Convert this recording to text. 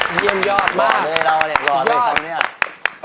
เยี่ยมยอดมาก